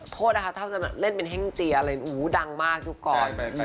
โทษนะคะเท่านั้นเล่นเป็นแห้งเจียเลยอู๋ดังมากยุคก่อน